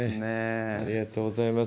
ありがとうございます